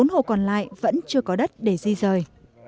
bốn hộ còn lại vẫn chưa có đất để di rời